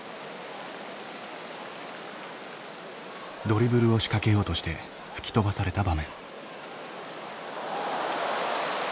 ドリブルを仕掛けようとして吹き飛ばされた場面。